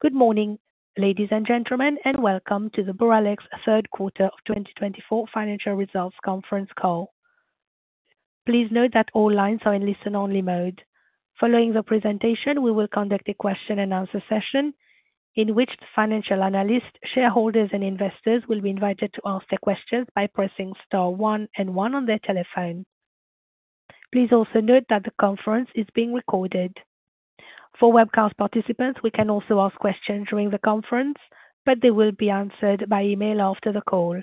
Good morning, ladies and gentlemen, and welcome to the Boralex Q3 2024 Financial Results Conference call. Please note that all lines are in listen-only mode. Following the presentation, we will conduct a question-and-answer session in which the financial analysts, shareholders, and investors will be invited to ask their questions by pressing star one and star one on their telephone. Please also note that the conference is being recorded. For webcast participants, we can also ask questions during the conference, but they will be answered by email after the call.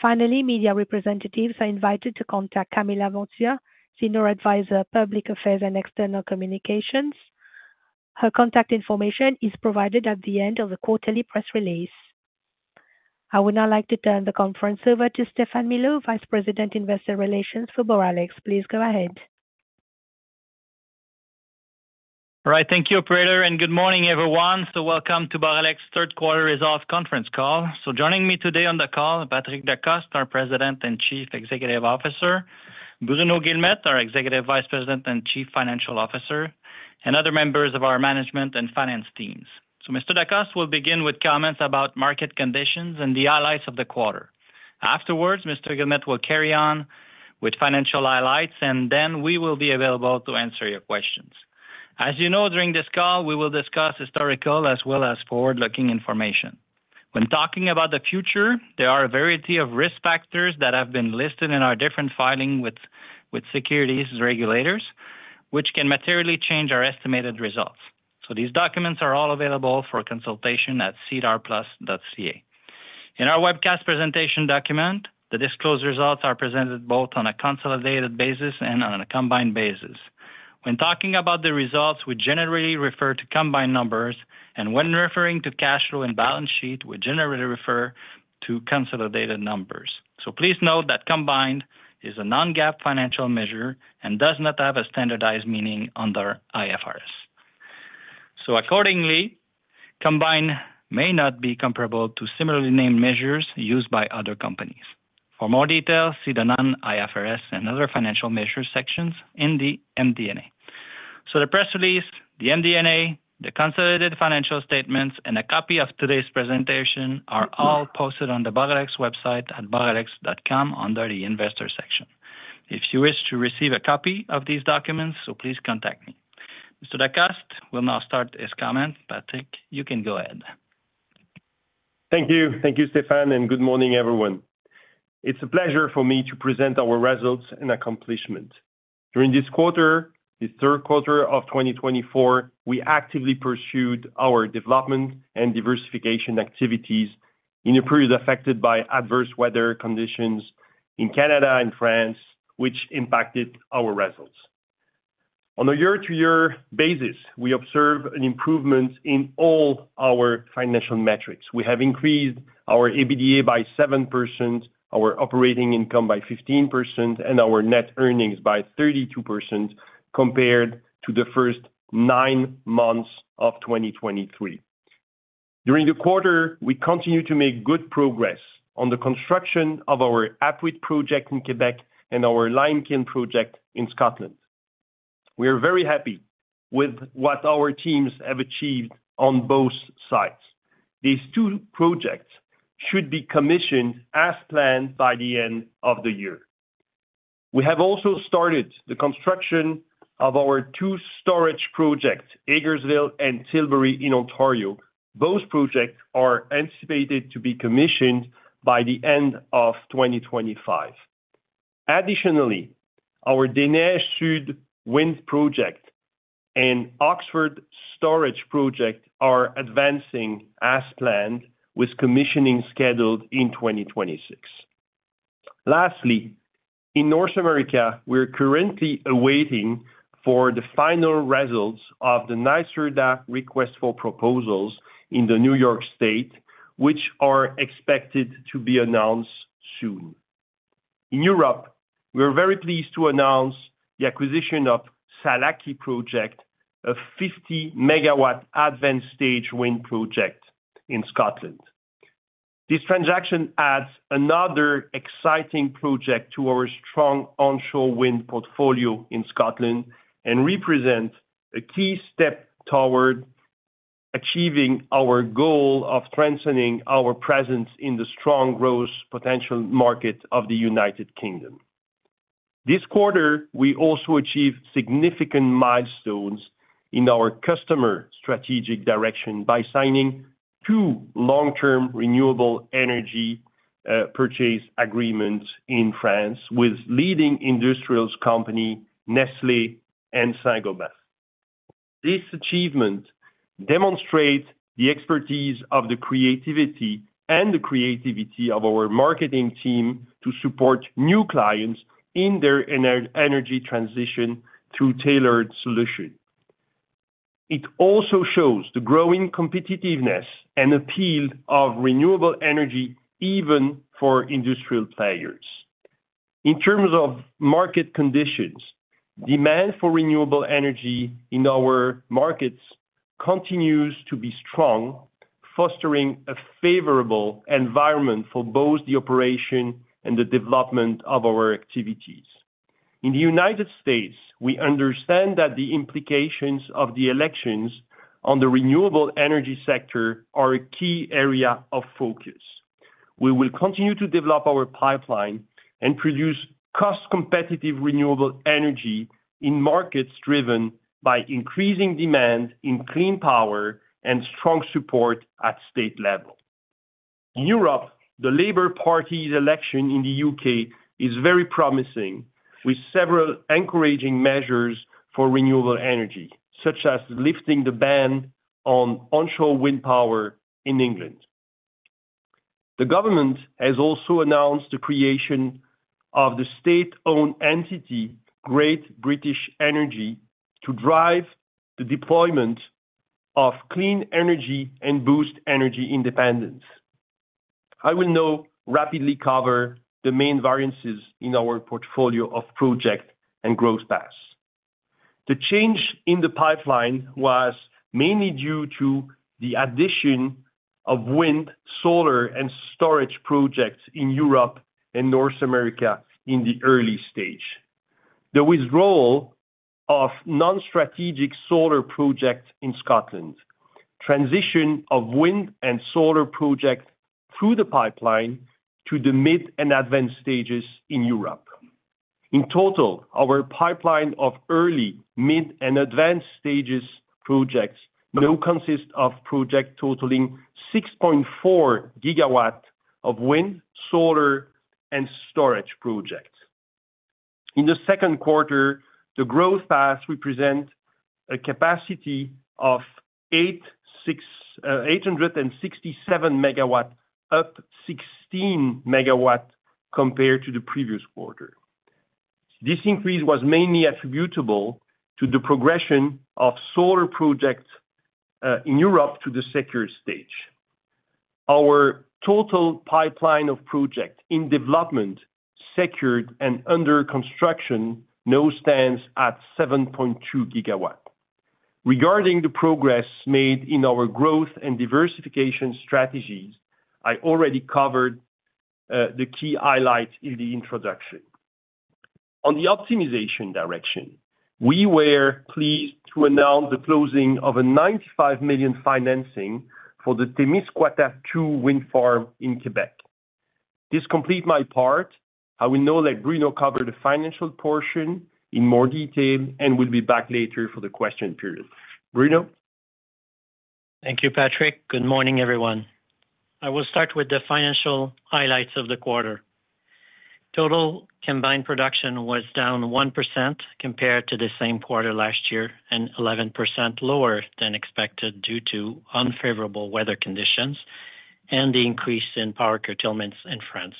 Finally, media representatives are invited to contact Camille Laventure, Senior Advisor, Public Affairs and External Communications. Her contact information is provided at the end of the quarterly press release. I would now like to turn the conference over to Stéphane Milot, Vice President, Investor Relations for Boralex. Please go ahead. All right. Thank you, Operator, and good morning, everyone. Welcome to Boralex Q3 Results Conference call. Joining me today on the call, Patrick Decostre, our President and Chief Executive Officer, Bruno Guilmette, our Executive Vice President and Chief Financial Officer, and other members of our management and finance teams. Mr. Decostre will begin with comments about market conditions and the highlights of the quarter. Afterwards, Mr. Guilmette will carry on with financial highlights, and then we will be available to answer your questions. As you know, during this call, we will discuss historical as well as forward-looking information. When talking about the future, there are a variety of risk factors that have been listed in our different filings with securities regulators which can materially change our estimated results. These documents are all available for consultation at sedarplus.ca. In our webcast presentation document, the disclosed results are presented both on a consolidated basis and on a combined basis. When talking about the results, we generally refer to combined numbers, and when referring to cash flow and balance sheet, we generally refer to consolidated numbers. Please note that combined is a non-GAAP financial measure and does not have a standardized meaning under IFRS. Accordingly, combined may not be comparable to similarly named measures used by other companies. For more details, see the non-IFRS and other financial measures sections in the MD&A. The press release, the MD&A, the consolidated financial statements, and a copy of today's presentation are all posted on the Boralex website at boralex.com under the investor section. If you wish to receive a copy of these documents, please contact me. Mr. Decostre will now start his comments. Patrick, you can go ahead. Thank you. Thank you, Stéphane, and good morning, everyone. It's a pleasure for me to present our results and accomplishments. During this quarter, Q3 of 2024, we actively pursued our development and diversification activities in a period affected by adverse weather conditions in Canada and France, which impacted our results. On a year-to-year basis, we observed an improvement in all our financial metrics. We have increased our EBITDA by 7%, our operating income by 15%, and our net earnings by 32% compared to the first nine months of 2023. During the quarter, we continued to make good progress on the construction of our Apuiat project in Quebec and our Limekiln project in Scotland. We are very happy with what our teams have achieved on both sides. These two projects should be commissioned as planned by the end of the year. We have also started the construction of our two storage projects, Hagersville and Tilbury, in Ontario. Both projects are anticipated to be commissioned by the end of 2025. Additionally, our Des Neiges Sud wind project and Oxford storage project are advancing as planned, with commissioning scheduled in 2026. Lastly, in North America, we are currently awaiting the final results of the NYSERDA request for proposals in New York State, which are expected to be announced soon. In Europe, we are very pleased to announce the acquisition of Sallachy project, a 50 megawatt advanced-stage wind project in Scotland. This transaction adds another exciting project to our strong onshore wind portfolio in Scotland and represents a key step toward achieving our goal of strengthening our presence in the strong growth potential market of the United Kingdom. This quarter, we also achieved significant milestones in our customer strategic direction by signing two long-term renewable energy purchase agreements in France with leading industrials company Nestlé and Saint-Gobain. These achievements demonstrate the expertise and the creativity of our marketing team to support new clients in their energy transition through tailored solutions. It also shows the growing competitiveness and appeal of renewable energy even for industrial players. In terms of market conditions, demand for renewable energy in our markets continues to be strong, fostering a favorable environment for both the operation and the development of our activities. In the United States, we understand that the implications of the elections on the renewable energy sector are a key area of focus. We will continue to develop our pipeline and produce cost-competitive renewable energy in markets driven by increasing demand in clean power and strong support at state level. In Europe, the Labour Party election in the U.K. is very promising, with several encouraging measures for renewable energy, such as lifting the ban on onshore wind power in England. The government has also announced the creation of the state-owned entity, Great British Energy, to drive the deployment of clean energy and boost energy independence. I will now rapidly cover the main variances in our portfolio of projects and growth paths. The change in the pipeline was mainly due to the addition of wind, solar, and storage projects in Europe and North America in the early stage, the withdrawal of non-strategic solar projects in Scotland, and the transition of wind and solar projects through the pipeline to the mid and advanced stages in Europe. In total, our pipeline of early, mid, and advanced stages projects now consists of projects totaling 6.4 gigawatts of wind, solar, and storage projects. In the Q2, the growth paths represent a capacity of 867 megawatts, up 16 megawatts compared to the previous quarter. This increase was mainly attributable to the progression of solar projects in Europe to the secure stage. Our total pipeline of projects in development, secured, and under construction now stands at 7.2 gigawatts. Regarding the progress made in our growth and diversification strategies, I already covered the key highlights in the introduction. On the optimization direction, we were pleased to announce the closing of a 95 million financing for the Témiscouata II Wind Farm in Quebec. This completes my part. I will now let Bruno cover the financial portion in more detail and will be back later for the question period. Bruno. Thank you, Patrick. Good morning, everyone. I will start with the financial highlights of the quarter. Total combined production was down 1% compared to the same quarter last year and 11% lower than expected due to unfavorable weather conditions and the increase in power curtailments in France.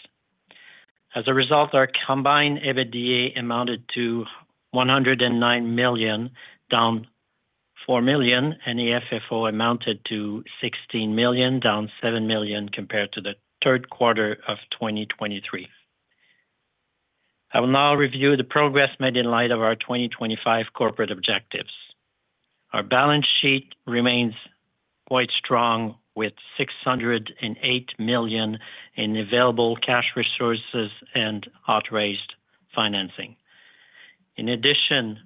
As a result, our combined EBITDA amounted to 109 million, down 4 million, and AFFO amounted to 16 million, down 7 million compared to the Q3 of 2023. I will now review the progress made in light of our 2025 corporate objectives. Our balance sheet remains quite strong, with 608 million in available cash resources and undrawn financing. In addition,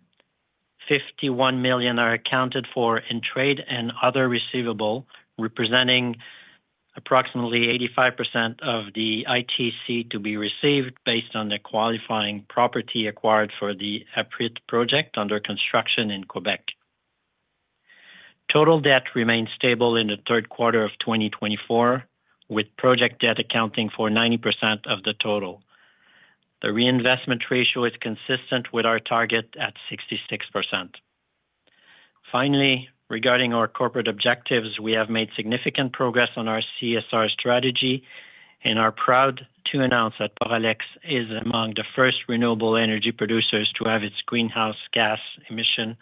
51 million are accounted for in trade and other receivables, representing approximately 85% of the ITC to be received based on the qualifying property acquired for the Apuiat project under construction in Quebec. Total debt remained stable in the Q3 of 2024, with project debt accounting for 90% of the total. The reinvestment ratio is consistent with our target at 66%. Finally, regarding our corporate objectives, we have made significant progress on our CSR strategy, and we're proud to announce that Boralex is among the first renewable energy producers to have its greenhouse gas emission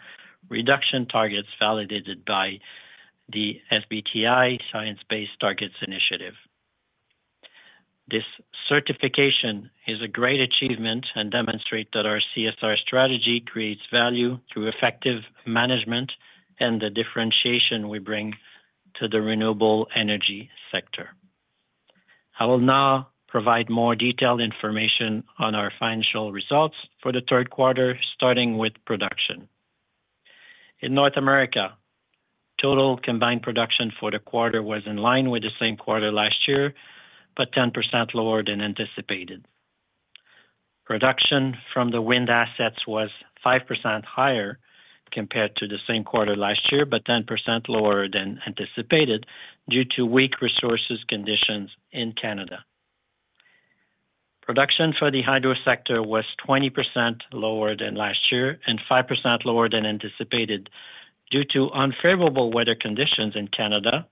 reduction targets validated by the SBTi Science-Based Targets Initiative. This certification is a great achievement and demonstrates that our CSR strategy creates value through effective management and the differentiation we bring to the renewable energy sector. I will now provide more detailed information on our financial results for the Q3, starting with production. In North America, total combined production for the quarter was in line with the same quarter last year but 10% lower than anticipated. Production from the wind assets was 5% higher compared to the same quarter last year but 10% lower than anticipated due to weak resource conditions in Canada. Production for the hydro sector was 20% lower than last year and 5% lower than anticipated due to unfavorable weather conditions in Canada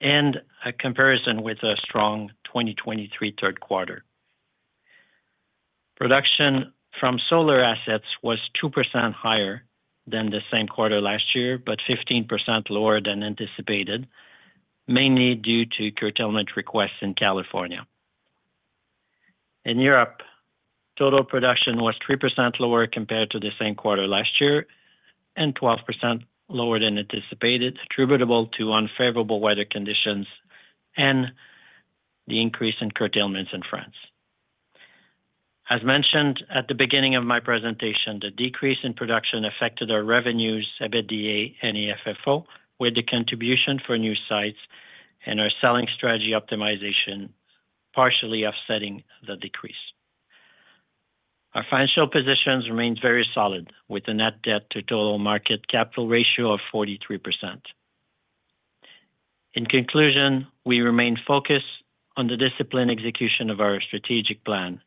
and a comparison with a strong 2023 Q3. Production from solar assets was 2% higher than the same quarter last year but 15% lower than anticipated, mainly due to curtailment requests in California. In Europe, total production was 3% lower compared to the same quarter last year and 12% lower than anticipated, attributable to unfavorable weather conditions and the increase in curtailments in France. As mentioned at the beginning of my presentation, the decrease in production affected our revenues, EBITDA, and AFFO, with the contribution for new sites and our selling strategy optimization partially offsetting the decrease. Our financial positions remained very solid, with a net debt-to-total market capital ratio of 43%. In conclusion, we remain focused on the disciplined execution of our strategic plan.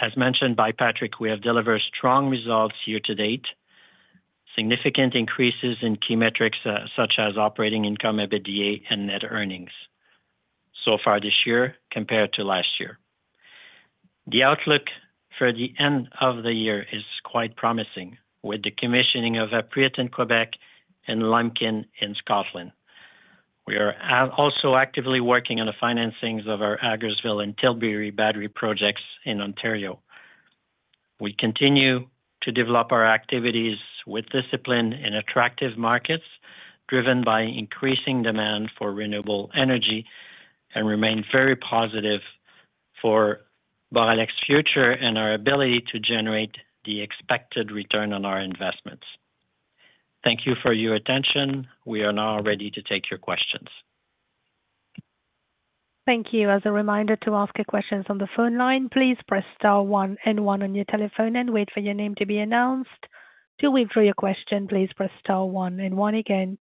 As mentioned by Patrick, we have delivered strong results year to date, significant increases in key metrics such as operating income, EBITDA, and net earnings so far this year compared to last year. The outlook for the end of the year is quite promising, with the commissioning of Apuiat in Quebec and Limekiln in Scotland. We are also actively working on the financing of our Hagersville and Tilbury battery projects in Ontario. We continue to develop our activities with discipline in attractive markets driven by increasing demand for renewable energy and remain very positive for Boralex's future and our ability to generate the expected return on our investments. Thank you for your attention. We are now ready to take your questions. Thank you. As a reminder to ask your questions on the phone line, please press star one and one on your telephone and wait for your name to be announced. To withdraw your question, please press star one and one again.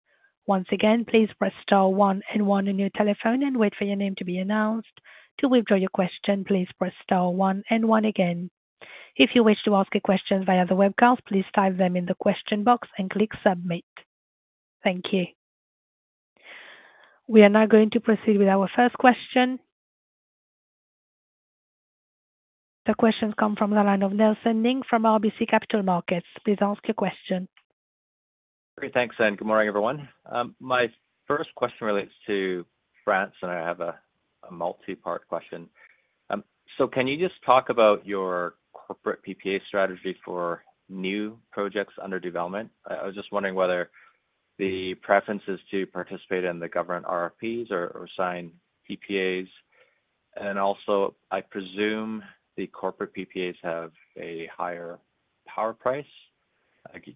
Once again, please press star one and one on your telephone and wait for your name to be announced. To withdraw your question, please press star one and one again. If you wish to ask a question via the webcast, please type them in the question box and click submit. Thank you. We are now going to proceed with our first question. The questions come from the line of Nelson Ng from RBC Capital Markets. Please ask your question. Thanks, and good morning, everyone. My first question relates to France, and I have a multi-part question. So can you just talk about your corporate PPA strategy for new projects under development? I was just wondering whether the preference is to participate in the government RFPs or sign PPAs. And also, I presume the corporate PPAs have a higher power price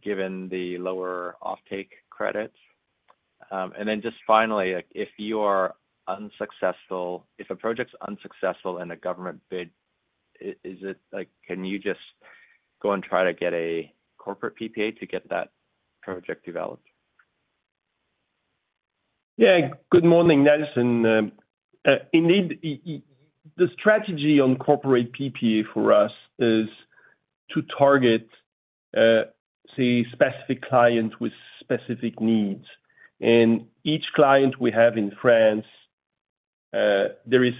given the lower offtake credit. And then just finally, if you are unsuccessful, if a project's unsuccessful in a government bid, can you just go and try to get a corporate PPA to get that project developed? Yeah. Good morning, Nelson. Indeed, the strategy on corporate PPA for us is to target, say, specific clients with specific needs. And each client we have in France, there is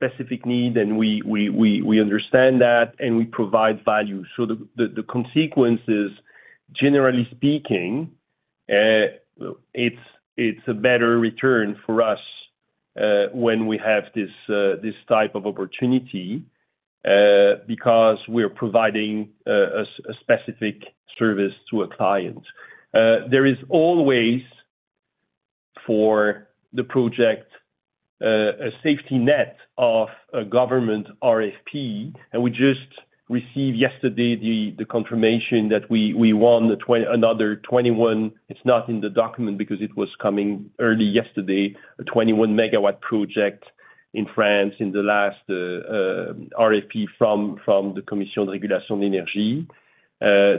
a specific need, and we understand that, and we provide value. So the consequences, generally speaking, it's a better return for us when we have this type of opportunity because we are providing a specific service to a client. There is always, for the project, a safety net of a government RFP, and we just received yesterday the confirmation that we won another 21 (it's not in the document because it was coming early yesterday) megawatt project in France in the last RFP from the Commission de Régulation de l'Énergie.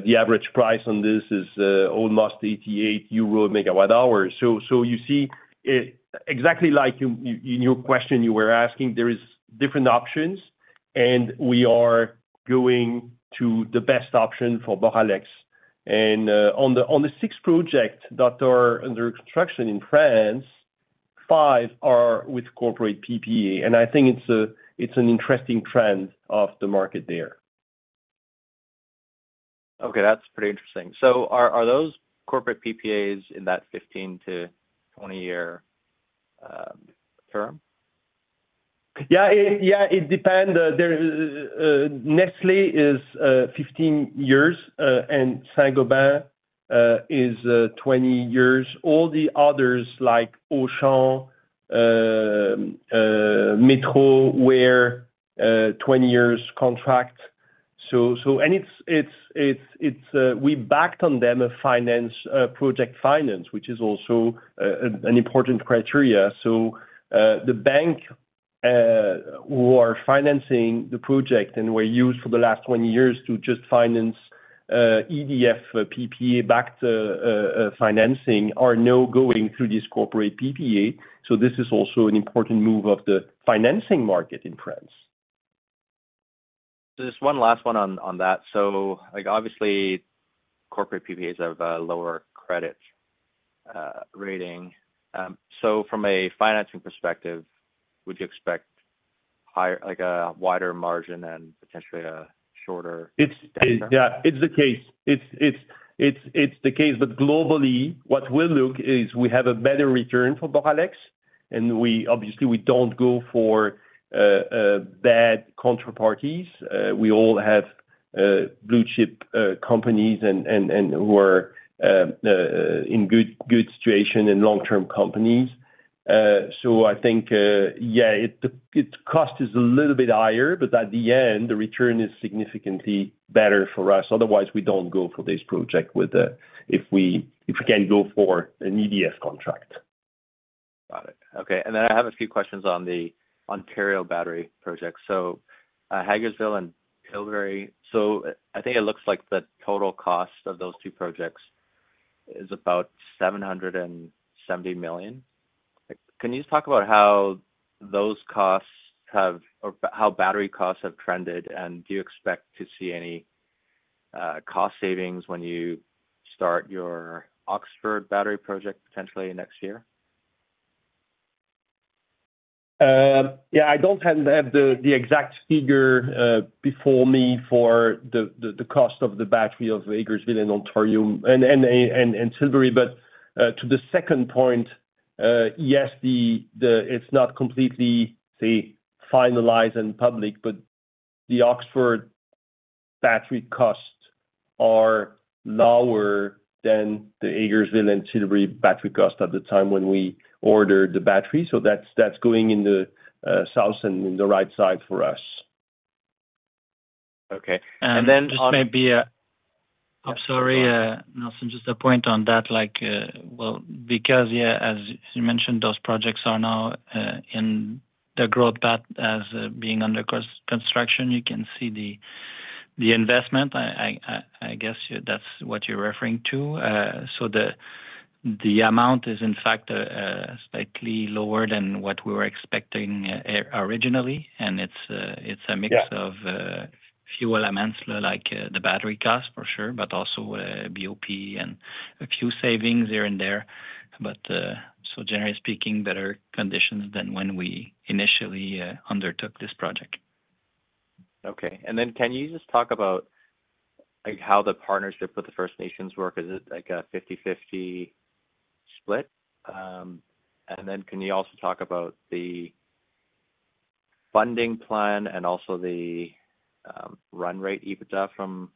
The average price on this is almost 88 euro MWh. So you see, exactly like in your question you were asking, there are different options, and we are going to the best option for Boralex. And on the six projects that are under construction in France, five are with corporate PPA, and I think it's an interesting trend of the market there. Okay. That's pretty interesting. So are those corporate PPAs in that 15-20-year term? Yeah. Yeah. It depends. Nestlé is 15 years, and Saint-Gobain is 20 years. All the others, like Auchan, Metro, were 20-years contracts. And we backed on them a project finance, which is also an important criteria. So the bank who are financing the project and were used for the last 20 years to just finance EDF PPA-backed financing are now going through this corporate PPA. So this is also an important move of the financing market in France. Just one last one on that. So obviously, corporate PPAs have a lower credit rating. So from a financing perspective, would you expect a wider margin and potentially a shorter? Yeah. It's the case. It's the case. But globally, what we'll look is we have a better return for Boralex, and obviously, we don't go for bad counterparties. We all have blue-chip companies who are in good situation and long-term companies. So I think, yeah, the cost is a little bit higher, but at the end, the return is significantly better for us. Otherwise, we don't go for this project if we can't go for an EDF contract. Got it. Okay. And then I have a few questions on the Ontario battery project. So Hagersville and Tilbury, so I think it looks like the total cost of those two projects is about 770 million. Can you talk about how those costs have or how battery costs have trended, and do you expect to see any cost savings when you start your Oxford battery project potentially next year? Yeah. I don't have the exact figure before me for the cost of the battery of Hagersville and Ontario and Tilbury. But to the second point, yes, it's not completely, say, finalized and public, but the Oxford battery costs are lower than the Hagersville and Tilbury battery costs at the time when we ordered the battery. So that's going in the south and in the right side for us. Okay, and then on. This may be a. I'm sorry, Nelson, just a point on that. Well, because, yeah, as you mentioned, those projects are now in the growth path as being under construction. You can see the investment. I guess that's what you're referring to. So the amount is, in fact, slightly lower than what we were expecting originally, and it's a mix of fuel amounts, like the battery cost, for sure, but also BOP and a few savings here and there. But so generally speaking, better conditions than when we initially undertook this project. Okay. And then can you just talk about how the partnership with the First Nations work? Is it like a 50/50 split? And then can you also talk about the funding plan and also the run rate EBITDA from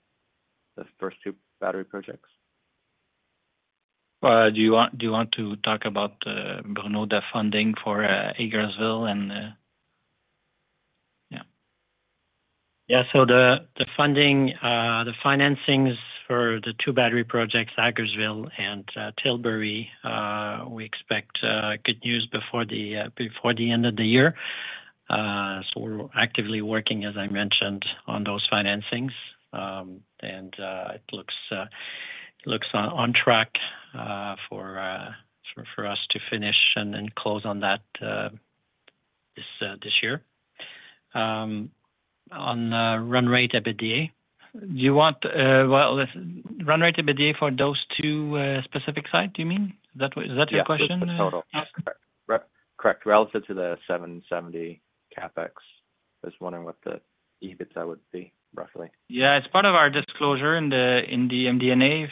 the first two battery projects? Do you want to talk about Bruno's funding for Hagersville and yeah? Yeah. So the financings for the two battery projects, Hagersville and Tilbury, we expect good news before the end of the year. So we're actively working, as I mentioned, on those financings, and it looks on track for us to finish and close on that this year. On run rate EBITDA, do you want, well, run rate EBITDA for those two specific sites, do you mean? Is that your question? Yeah. Correct. Relative to the 770 CapEx, I was wondering what the EBITDA would be, roughly. Yeah. It's part of our disclosure in the MD&A.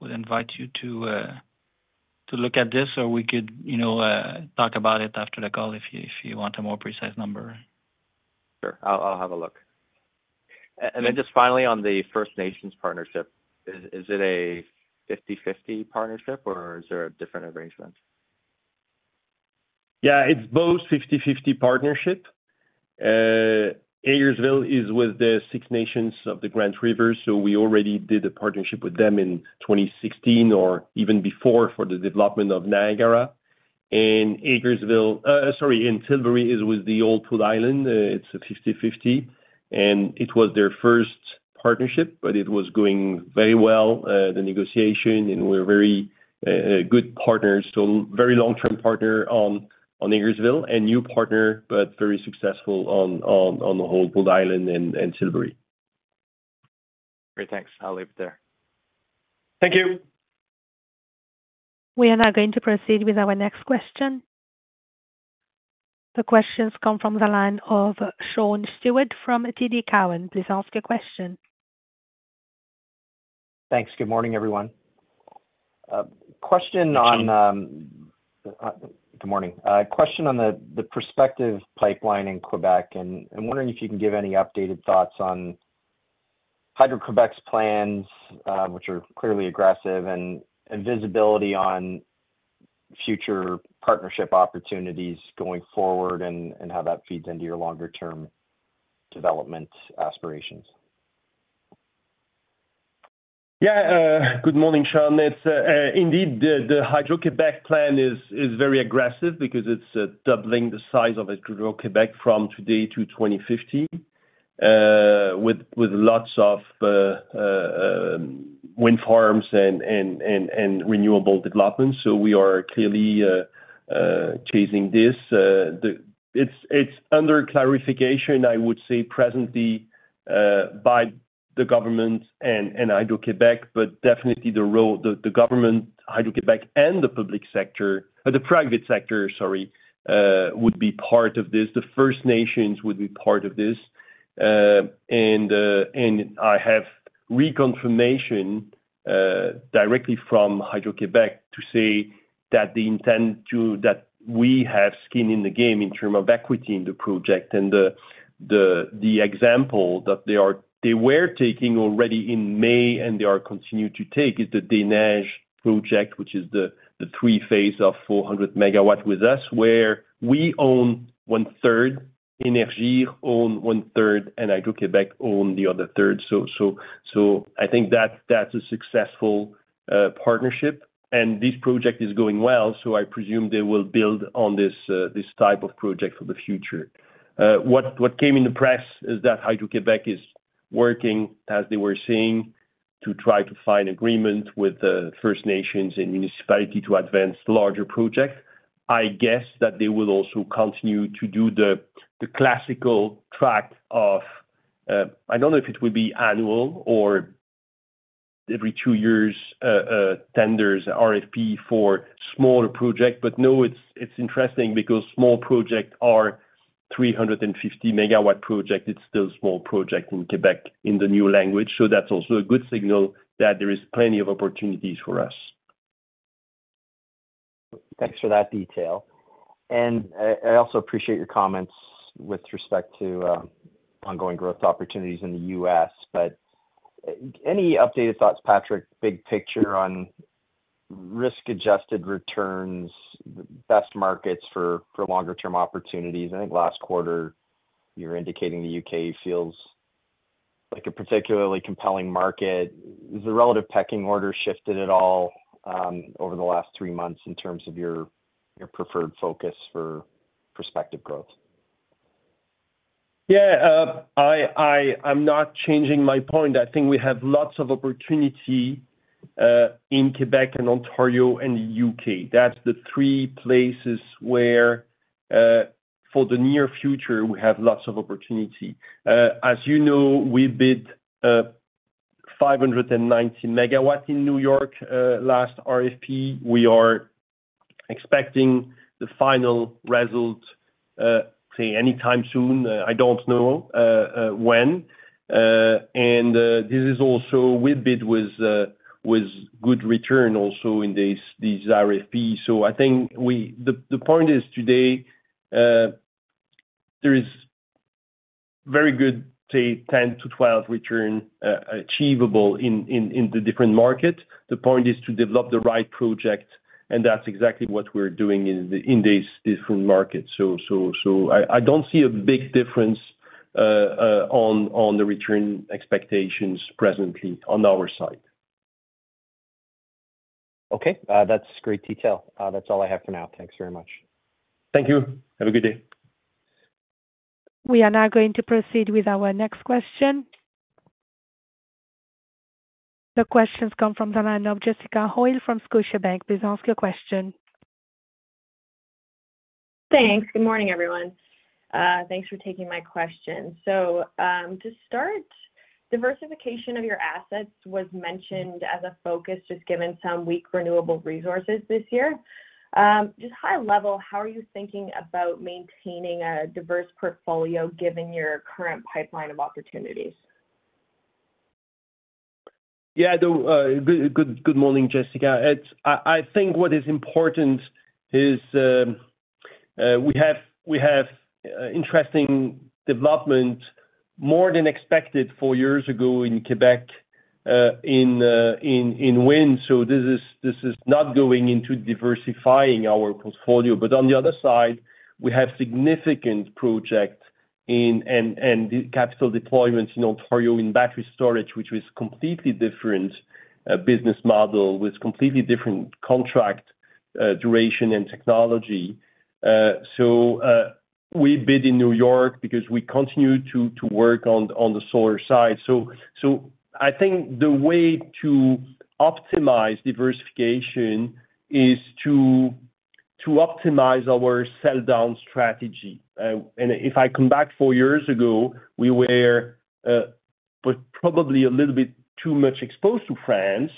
We'll invite you to look at this, or we could talk about it after the call if you want a more precise number. Sure. I'll have a look, and then just finally, on the First Nations partnership, is it a 50/50 partnership, or is there a different arrangement? Yeah. It's both 50/50 partnership. Hagersville is with the Six Nations of the Grand River, so we already did a partnership with them in 2016 or even before for the development of Niagara. And Hagersville, sorry, and Tilbury is with the Walpole Island First Nation. It's a 50/50, and it was their first partnership, but it was going very well, the negotiation, and we're very good partners. So very long-term partner on Hagersville and new partner, but very successful on the Walpole Island First Nation and Tilbury. Great. Thanks. I'll leave it there. Thank you. We are now going to proceed with our next question. The questions come from the line of Sean Steuart from TD Cowen. Please ask your question. Thanks. Good morning, everyone. Good morning. Question on the prospective pipeline in Québec, and I'm wondering if you can give any updated thoughts on Hydro-Québec's plans, which are clearly aggressive, and visibility on future partnership opportunities going forward and how that feeds into your longer-term development aspirations? Yeah. Good morning, Sean. Indeed, the Hydro-Québec plan is very aggressive because it's doubling the size of Hydro-Québec from today to 2050 with lots of wind farms and renewable development. So we are clearly chasing this. It's under clarification, I would say, presently by the government and Hydro-Québec, but definitely the government, Hydro-Québec, and the public sector, the private sector, sorry, would be part of this. The First Nations would be part of this. And I have reconfirmation directly from Hydro-Québec to say that the intent that we have skin in the game in terms of equity in the project. And the example that they were taking already in May and they are continuing to take is the Des Neiges project, which is the third phase of 400 megawatts with us, where we own one-third, Énergir owns one-third, and Hydro-Québec owns the other third. I think that's a successful partnership, and this project is going well, so I presume they will build on this type of project for the future. What came in the press is that Hydro-Québec is working, as they were saying, to try to find agreement with the First Nations and municipalities to advance larger projects. I guess that they will also continue to do the classical track of, I don't know if it will be annual or every two years, tenders, RFP for smaller projects. But no, it's interesting because small projects are 350 megawatt projects. It's still a small project in Quebec in the new language. That's also a good signal that there are plenty of opportunities for us. Thanks for that detail. And I also appreciate your comments with respect to ongoing growth opportunities in the U.S. But any updated thoughts, Patrick, big picture on risk-adjusted returns, best markets for longer-term opportunities? I think last quarter, you were indicating the U.K. feels like a particularly compelling market. Has the relative pecking order shifted at all over the last three months in terms of your preferred focus for prospective growth? Yeah. I'm not changing my point. I think we have lots of opportunity in Quebec and Ontario and the U.K. That's the three places where for the near future, we have lots of opportunity. As you know, we bid 590 megawatts in New York last RFP. We are expecting the final result, say, anytime soon. I don't know when. And this is also we bid with good return also in these RFPs. So I think the point is today, there is very good, say, 10%-12% return achievable in the different markets. The point is to develop the right project, and that's exactly what we're doing in these different markets. So I don't see a big difference on the return expectations presently on our side. Okay. That's great detail. That's all I have for now. Thanks very much. Thank you. Have a good day. We are now going to proceed with our next question. The questions come from the line of Jessica Hoyle from Scotiabank. Please ask your question. Thanks. Good morning, everyone. Thanks for taking my question. So to start, diversification of your assets was mentioned as a focus just given some weak renewable resources this year. Just high level, how are you thinking about maintaining a diverse portfolio given your current pipeline of opportunities? Yeah. Good morning, Jessica. I think what is important is we have interesting development more than expected four years ago in Quebec in wind. So this is not going into diversifying our portfolio. But on the other side, we have significant projects and capital deployments in Ontario in battery storage, which was a completely different business model with completely different contract duration and technology. So we bid in New York because we continue to work on the solar side. So I think the way to optimize diversification is to optimize our sell-down strategy. And if I come back four years ago, we were probably a little bit too much exposed to France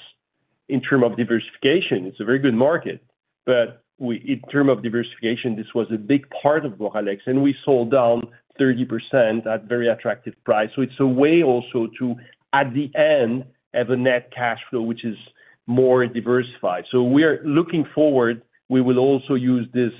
in terms of diversification. It's a very good market. But in terms of diversification, this was a big part of Boralex, and we sold down 30% at a very attractive price. So it's a way also to, at the end, have a net cash flow which is more diversified. So we are looking forward. We will also use this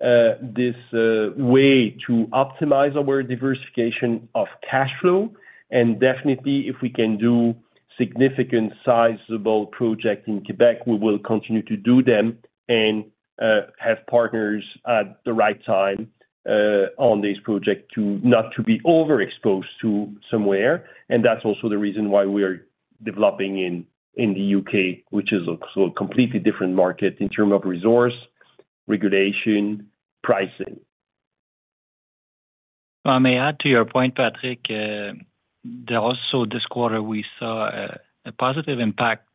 way to optimize our diversification of cash flow. And definitely, if we can do significant sizable projects in Québec, we will continue to do them and have partners at the right time on these projects not to be overexposed to somewhere. And that's also the reason why we are developing in the U.K., which is a completely different market in terms of resource, regulation, pricing. I may add to your point, Patrick. There also, this quarter, we saw a positive impact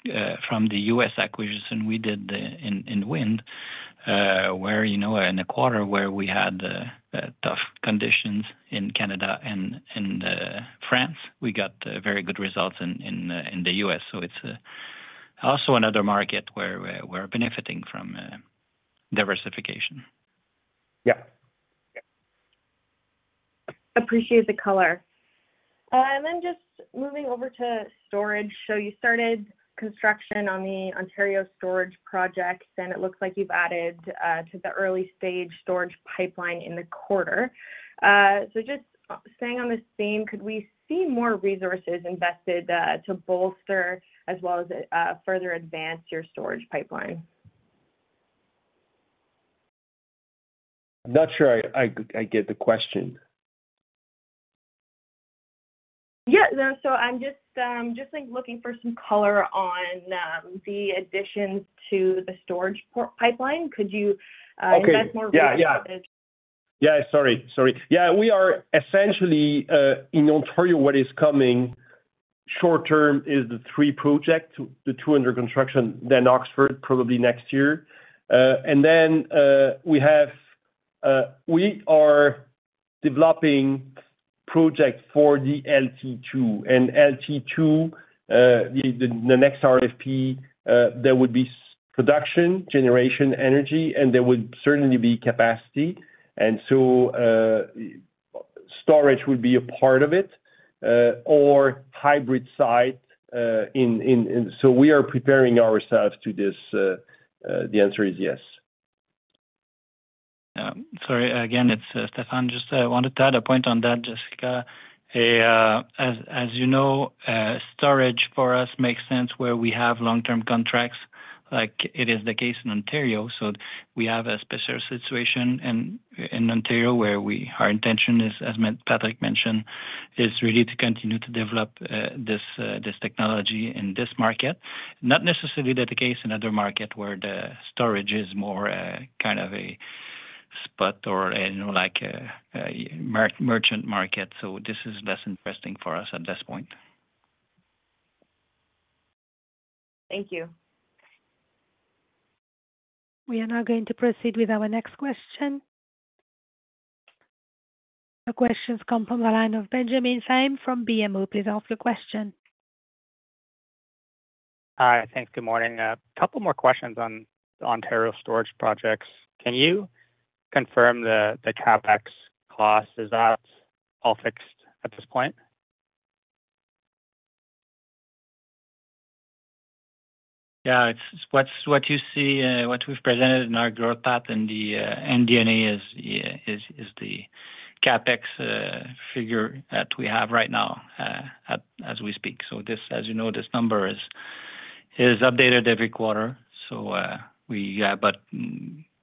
from the U.S. acquisition we did in wind, where in a quarter where we had tough conditions in Canada and France, we got very good results in the U.S. So it's also another market where we're benefiting from diversification. Yeah. Appreciate the color. And then just moving over to storage. So you started construction on the Ontario storage project, and it looks like you've added to the early-stage storage pipeline in the quarter. So just staying on the same, could we see more resources invested to bolster as well as further advance your storage pipeline? I'm not sure I get the question. Yeah, so I'm just looking for some color on the additions to the storage pipeline. Could you invest more resources? Yeah. Sorry. We are essentially in Ontario, what is coming short-term is the three projects, the two under construction, then Oxford probably next year. And then we are developing projects for the LT2. And LT2, the next RFP, there would be production, generation, energy, and there would certainly be capacity. And so storage would be a part of it or hybrid site. So we are preparing ourselves to this. The answer is yes. Yeah. Sorry. Again, it's Stéphane. Just wanted to add a point on that, Jessica. As you know, storage for us makes sense where we have long-term contracts like it is the case in Ontario. So we have a special situation in Ontario where our intention, as Patrick mentioned, is really to continue to develop this technology in this market. Not necessarily that's the case in other markets where the storage is more kind of a spot or like a merchant market. So this is less interesting for us at this point. Thank you. We are now going to proceed with our next question. The questions come from the line of Benjamin Pham from BMO. Please ask your question. Hi. Thanks. Good morning. A couple more questions on the Ontario storage projects. Can you confirm the CapEx costs? Is that all fixed at this point? Yeah. What you see, what we've presented in our growth path and the MD&A is the CapEx figure that we have right now as we speak. So as you know, this number is updated every quarter. But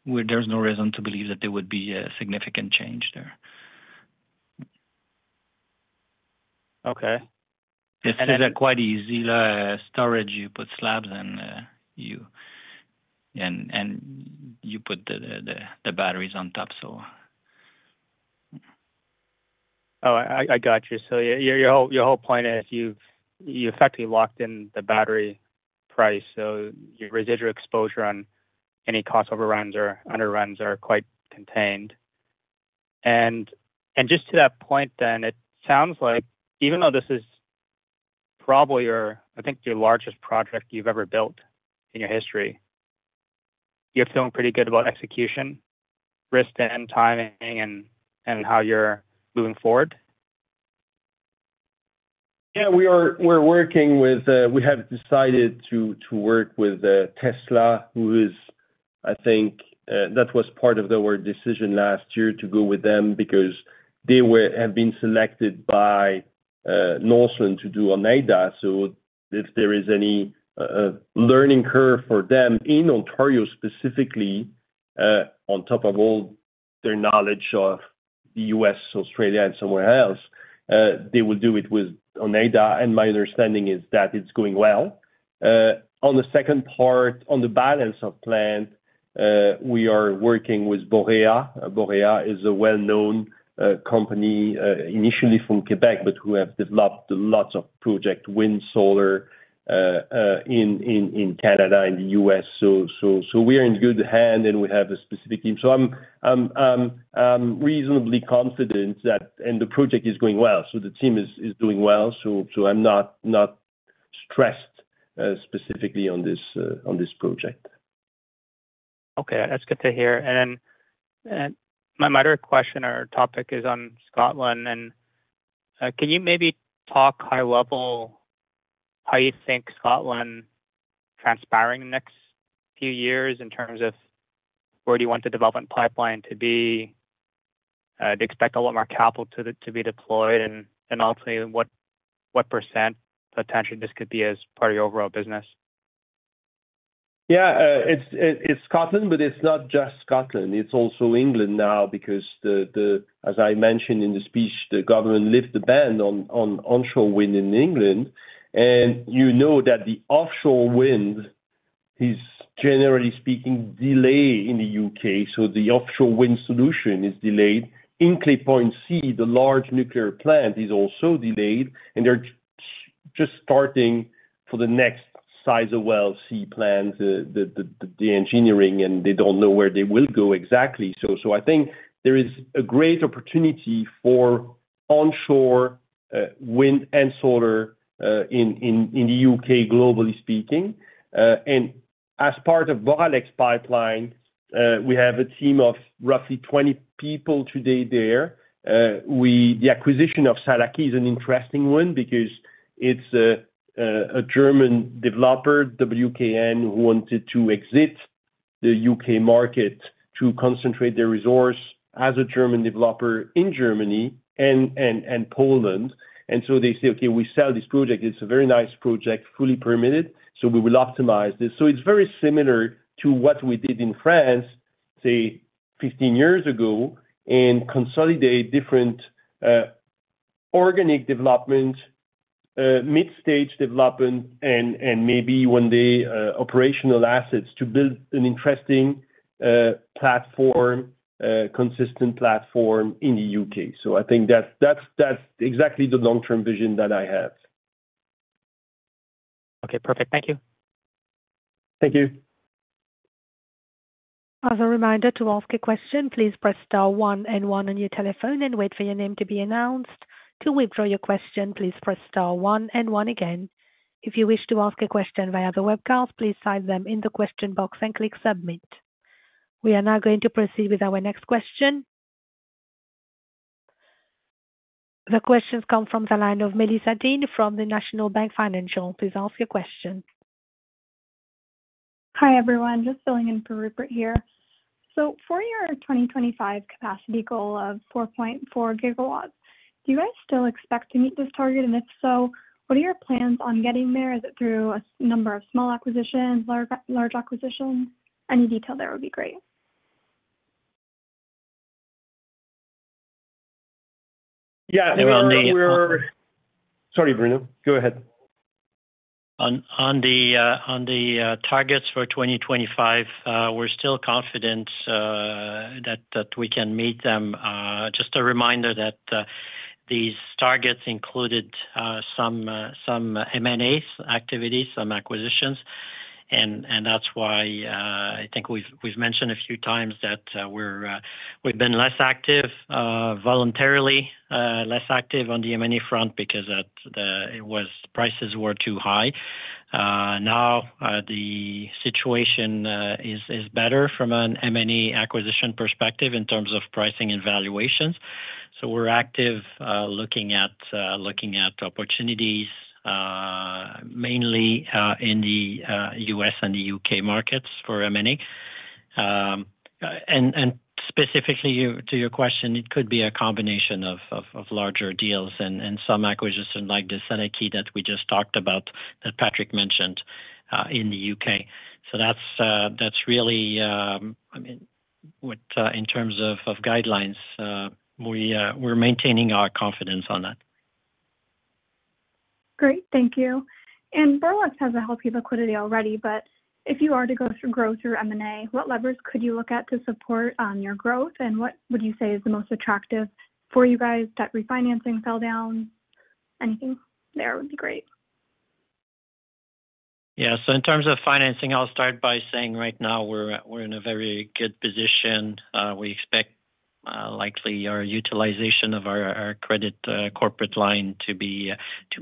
there's no reason to believe that there would be a significant change there. Okay. It's quite easy. Storage, you put slabs and you put the batteries on top, so. Oh, I got you. So your whole point is you effectively locked in the battery price, so your residual exposure on any cost overruns or underruns are quite contained, and just to that point then, it sounds like even though this is probably your, I think, your largest project you've ever built in your history, you're feeling pretty good about execution, risk, and timing, and how you're moving forward? Yeah. We have decided to work with Tesla, who is, I think, that was part of our decision last year to go with them because they have been selected by Northland Power to do Oneida. So if there is any learning curve for them in Ontario specifically, on top of all their knowledge of the US, Australia, and somewhere else, they will do it with Oneida. And my understanding is that it's going well. On the second part, on the Balance of Plant, we are working with Borea. Borea is a well-known company initially from Quebec, but we have developed lots of projects, wind, solar in Canada and the US. So we are in good hands, and we have a specific team. So I'm reasonably confident that the project is going well. So the team is doing well. So I'm not stressed specifically on this project. Okay. That's good to hear. And then my moderate question or topic is on Scotland. And can you maybe talk high level how you think Scotland is transpiring in the next few years in terms of where do you want the development pipeline to be, to expect a lot more capital to be deployed, and ultimately what % potentially this could be as part of your overall business? Yeah. It's Scotland, but it's not just Scotland. It's also England now because, as I mentioned in the speech, the government lifted the ban on onshore wind in England. And you know that the offshore wind is, generally speaking, delayed in the UK. So the offshore wind solution is delayed. Hinkley Point C, the large nuclear plant, is also delayed. And they're just starting for the next Sizewell C plant, the engineering, and they don't know where they will go exactly. So I think there is a great opportunity for onshore wind and solar in the UK, globally speaking. And as part of Boralex pipeline, we have a team of roughly 20 people today there. The acquisition of Sallachy is an interesting one because it's a German developer, WKN, who wanted to exit the UK market to concentrate their resource as a German developer in Germany and Poland. And so they say, "Okay, we sell this project. It's a very nice project, fully permitted. So we will optimize this." So it's very similar to what we did in France, say, 15 years ago, and consolidate different organic development, mid-stage development, and maybe one day operational assets to build an interesting platform, consistent platform in the UK. So I think that's exactly the long-term vision that I have. Okay. Perfect. Thank you. Thank you. As a reminder to ask a question, please press star one and one on your telephone and wait for your name to be announced. To withdraw your question, please press star one and one again. If you wish to ask a question via the webcast, please type them in the question box and click submit. We are now going to proceed with our next question. The questions come from the line of Melissa Dean from the National Bank Financial. Please ask your question. Hi, everyone. Just filling in for Rupert here. So for your 2025 capacity goal of 4.4 gigawatts, do you guys still expect to meet this target? And if so, what are your plans on getting there? Is it through a number of small acquisitions, large acquisitions? Any detail there would be great. Yeah. We're. Sorry, Bruno. Go ahead. On the targets for 2025, we're still confident that we can meet them. Just a reminder that these targets included some M&A activities, some acquisitions. And that's why I think we've mentioned a few times that we've been less active voluntarily, less active on the M&A front because prices were too high. Now the situation is better from an M&A acquisition perspective in terms of pricing and valuations. So we're active looking at opportunities mainly in the US and the UK markets for M&A. And specifically to your question, it could be a combination of larger deals and some acquisition like the Sallachy that we just talked about that Patrick mentioned in the U.K. So that's really, I mean, in terms of guidelines, we're maintaining our confidence on that. Great. Thank you. And Boralex has a healthy liquidity already, but if you are to grow through M&A, what levers could you look at to support your growth? And what would you say is the most attractive for you guys? Debt refinancing, sell down? Anything there would be great. Yeah. So in terms of financing, I'll start by saying right now we're in a very good position. We expect likely our utilization of our credit corporate line to be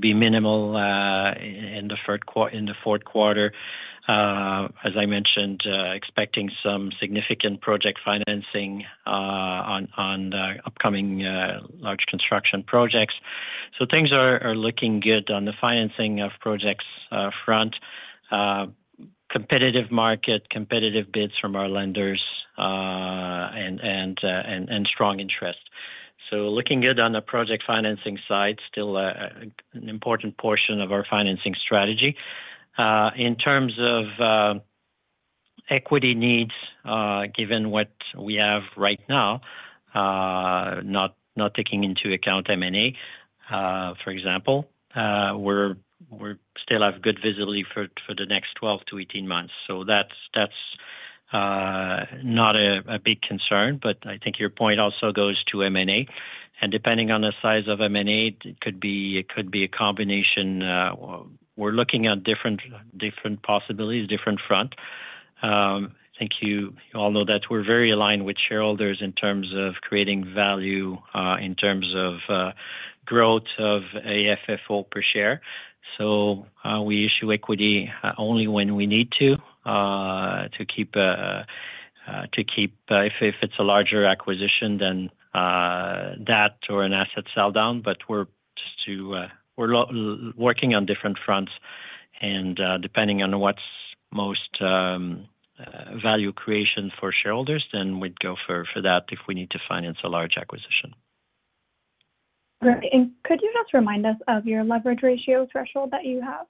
minimal in the Q4. As I mentioned, expecting some significant project financing on upcoming large construction projects. So things are looking good on the financing of projects front. Competitive market, competitive bids from our lenders, and strong interest. So looking good on the project financing side, still an important portion of our financing strategy. In terms of equity needs, given what we have right now, not taking into account M&A, for example, we still have good visibility for the next 12 to 18 months. So that's not a big concern, but I think your point also goes to M&A. And depending on the size of M&A, it could be a combination. We're looking at different possibilities, different front. I think you all know that we're very aligned with shareholders in terms of creating value, in terms of growth of AFFO per share. So we issue equity only when we need to to keep if it's a larger acquisition than that or an asset sell down. But we're working on different fronts. And depending on what's most value creation for shareholders, then we'd go for that if we need to finance a large acquisition. Could you just remind us of your leverage ratio threshold that you have?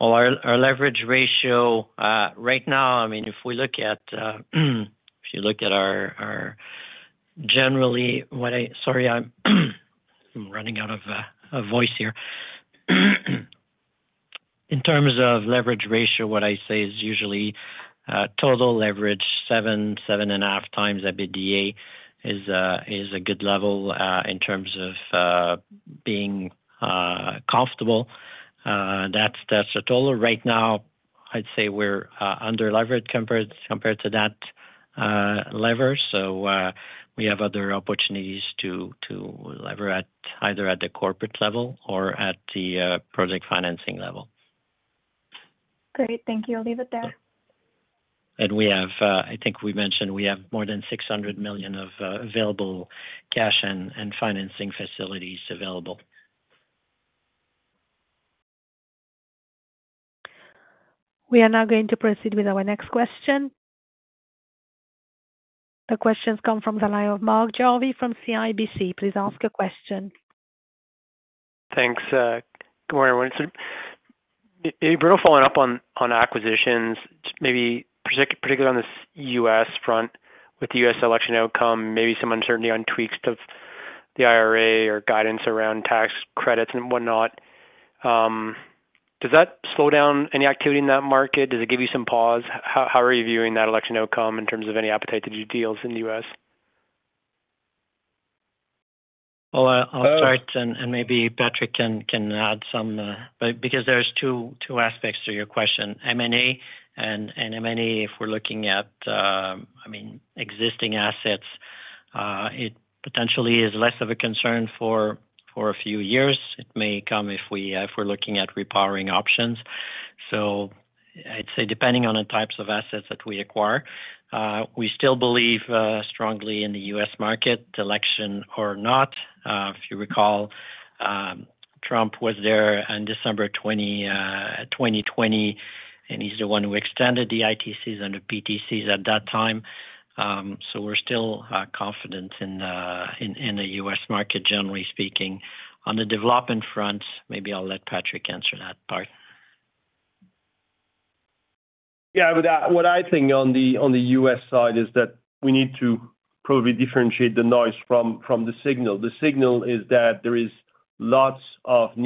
Our leverage ratio right now, I mean, if we look at our generally. Sorry, I'm running out of voice here. In terms of leverage ratio, what I say is usually total leverage, seven, seven and a half times EBITDA is a good level in terms of being comfortable. That's a total. Right now, I'd say we're underleveraged compared to that lever. So we have other opportunities to leverage either at the corporate level or at the project financing level. Great. Thank you. I'll leave it there. And I think we mentioned we have more than 600 million of available cash and financing facilities available. We are now going to proceed with our next question. The questions come from the line of Mark Jarvi from CIBC. Please ask a question. Thanks. Good morning, everyone. So Bruno, following up on acquisitions, maybe particularly on the U.S. front with the U.S. election outcome, maybe some uncertainty on tweaks to the IRA or guidance around tax credits and whatnot. Does that slow down any activity in that market? Does it give you some pause? How are you viewing that election outcome in terms of any appetite to do deals in the U.S.? I'll start, and maybe Patrick can add some, but because there's two aspects to your question. M&A and M&A, if we're looking at, I mean, existing assets, it potentially is less of a concern for a few years. It may come if we're looking at re-powering options. So I'd say depending on the types of assets that we acquire, we still believe strongly in the US market, election or not. If you recall, Trump was there in December 2020, and he's the one who extended the ITCs and the PTCs at that time. So we're still confident in the US market, generally speaking. On the development front, maybe I'll let Patrick answer that part. Yeah. What I think on the U.S. side is that we need to probably differentiate the noise from the signal. The signal is that there is lots of the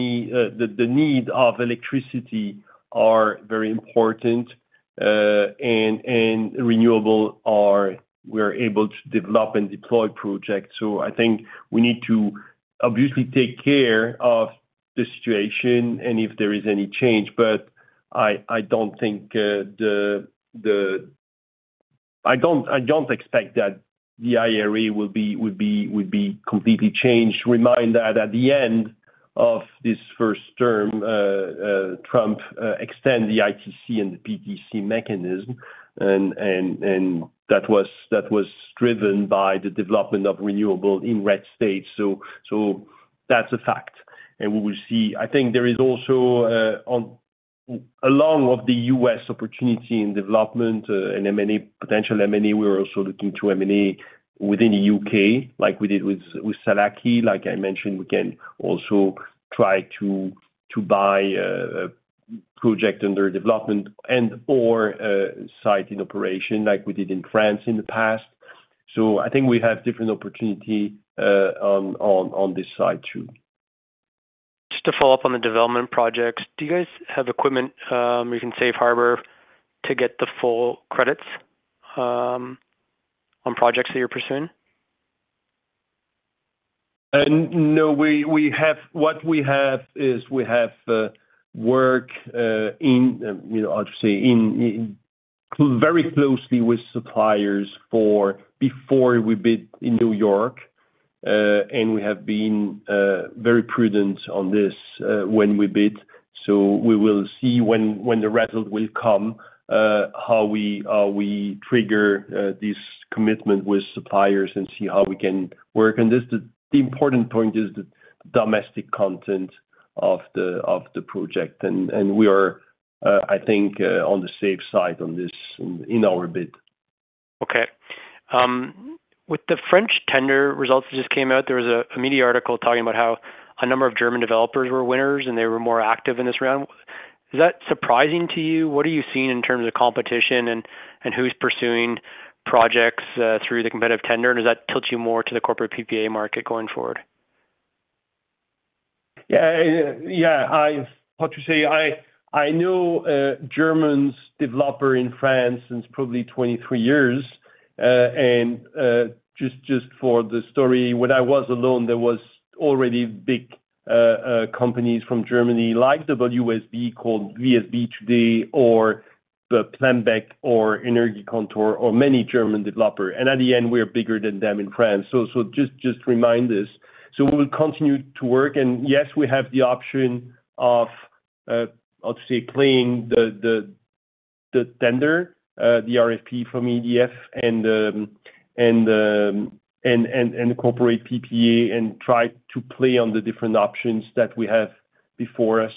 need of electricity is very important, and renewable, we're able to develop and deploy projects. So I think we need to obviously take care of the situation and if there is any change. But I don't think I don't expect that the IRA would be completely changed. Remember that at the end of this first term, Trump extended the ITC and the PTC mechanism. And that was driven by the development of renewable in red states. So that's a fact. And we will see. I think there is also a lot of the U.S. opportunity in development and potential M&A. We're also looking to M&A within the U.K., like we did with Sallachy. Like I mentioned, we can also try to buy a project under development and/or site in operation, like we did in France in the past. So I think we have different opportunities on this side too. Just to follow up on the development projects, do you guys have equipment you can safe harbor to get the full credits on projects that you're pursuing? No. What we have is we have worked very closely with suppliers before we bid in New York. And we have been very prudent on this when we bid. So we will see when the result will come, how we trigger this commitment with suppliers and see how we can work on this. The important point is the domestic content of the project. And we are, I think, on the safe side on this in our bid. Okay. With the French tender results that just came out, there was a media article talking about how a number of German developers were winners and they were more active in this round. Is that surprising to you? What are you seeing in terms of competition and who's pursuing projects through the competitive tender? And does that tilt you more to the corporate PPA market going forward? Yeah. Yeah. I'll say I know a German developer in France since probably 23 years. And just for the story, when I was alone, there were already big companies from Germany like WSB called VSB today or Plambeck or Energiekontor or many German developers. And at the end, we are bigger than them in France. So just remind us. So we will continue to work. And yes, we have the option of, I'll say, playing the tender, the RFP from EDF and the corporate PPA and try to play on the different options that we have before us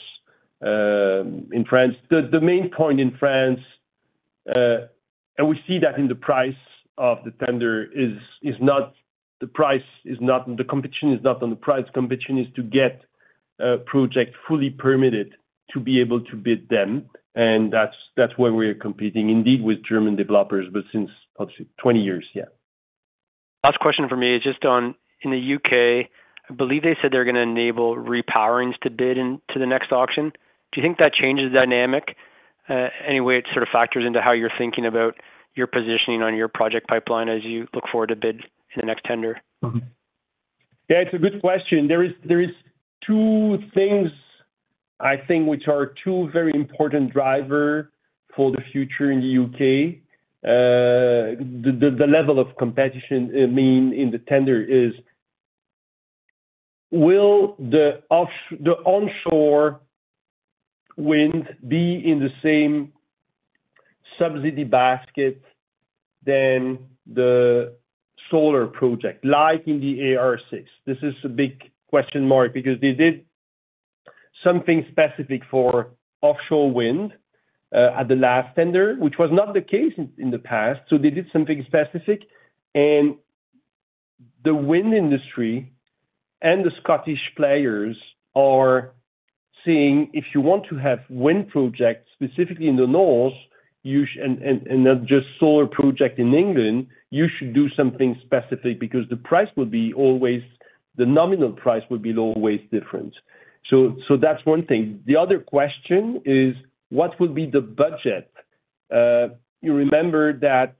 in France. The main point in France, and we see that in the price of the tender, is not the price is not the competition is not on the price. Competition is to get a project fully permitted to be able to bid them. That's where we're competing indeed with German developers, but since 20 years. Yeah. Last question for me is just on in the U.K., I believe they said they're going to enable re-powerings to bid into the next auction. Do you think that changes the dynamic? Any way it sort of factors into how you're thinking about your positioning on your project pipeline as you look forward to bid in the next tender? Yeah. It's a good question. There are two things, I think, which are two very important drivers for the future in the UK. The level of competition in the tender is, will the onshore wind be in the same subsidy basket than the solar project like in the AR6? This is a big question mark because they did something specific for offshore wind at the last tender, which was not the case in the past, so they did something specific, and the wind industry and the Scottish players are saying, "If you want to have wind projects specifically in the north and not just solar projects in England, you should do something specific because the price will be always the nominal price will be always different," so that's one thing. The other question is, what will be the budget? You remember that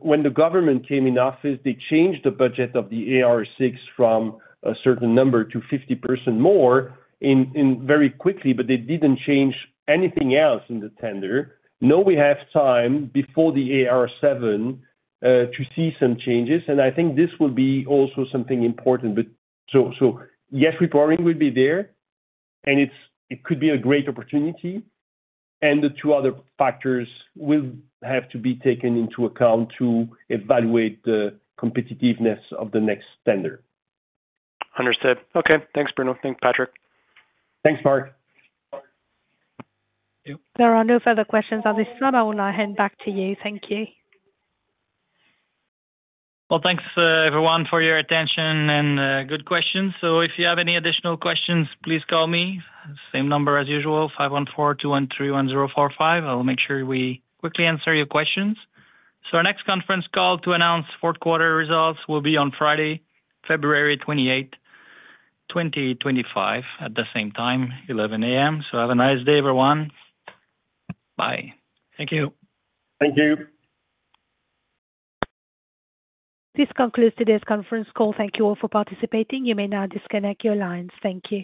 when the government came in office, they changed the budget of the AR6 from a certain number to 50% more very quickly, but they didn't change anything else in the tender. Now we have time before the AR7 to see some changes. And I think this will be also something important. So yes, re-powering will be there, and it could be a great opportunity. And the two other factors will have to be taken into account to evaluate the competitiveness of the next tender. Understood. Okay. Thanks, Bruno. Thanks, Patrick. Thanks, Mark. There are no further questions on this one. I will now hand back to you. Thank you. Thanks everyone for your attention and good questions. If you have any additional questions, please call me. Same number as usual, 514-213-1045. I'll make sure we quickly answer your questions. Our next conference call to announce Q4 results will be on Friday, February 28th, 2025 at the same time, 11:00 A.M. Have a nice day, everyone. Bye. Thank you. Thank you. This concludes today's conference call. Thank you all for participating. You may now disconnect your lines. Thank you.